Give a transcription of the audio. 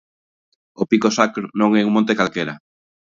O Pico Sacro non é un monte calquera.